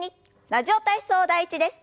「ラジオ体操第１」です。